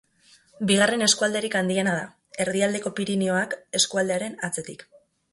Bigarren eskualde handiena da, Erdialdeko Pirinioak eskualdearen atzetik.